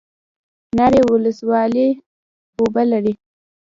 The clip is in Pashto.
ناوې ولسوالۍ اوبه لري؟